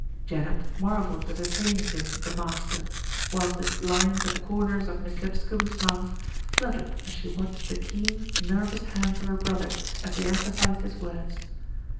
Janet marvelled at the change in "the master," whilst the lines at the corners of Miss Lipscombe's mouth fluttered as she watched the keen, nervous hands of her brother as they emphasised his words.